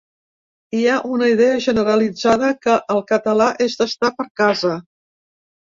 Hi ha una idea generalitzada que el català és d’estar per casa.